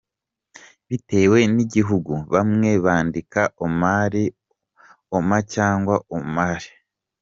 Bitewe n’igihugu bamwe bandika Omar, Omer, Ömer cyangwa Umar.